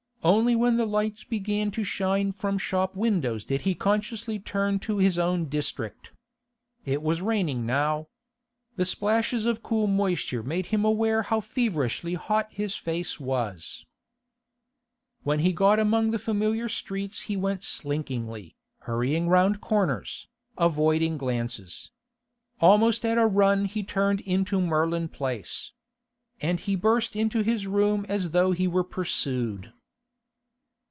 Only when the lights began to shine from shop windows did he consciously turn to his own district. It was raining now. The splashes of cool moisture made him aware how feverishly hot his face was. When he got among the familiar streets he went slinkingly, hurrying round corners, avoiding glances. Almost at a run he turned into Merlin Place, and he burst into his room as though he were pursued.